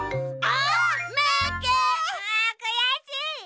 あっくやしい！